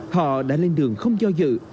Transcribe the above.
họ đã lên đường không do dự